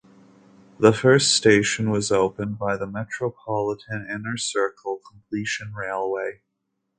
The first station was opened by the Metropolitan Inner Circle Completion Railway.